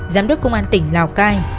giám đốc công an tỉnh lào cai